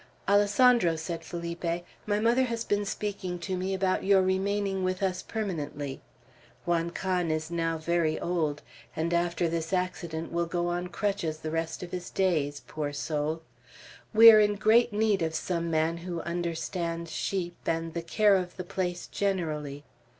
"Alessandro," said Felipe, "my mother has been speaking to me about your remaining with us permanently. Juan Can is now very old, and after this accident will go on crutches the rest of his days, poor soul! We are in great need of some man who understands sheep, and the care of the place generally."